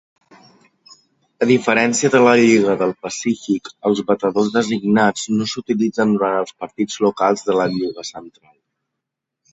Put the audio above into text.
A diferència de la Lliga del Pacífic, els batedors designats no s'utilitzen durant els partits locals de la Lliga Central.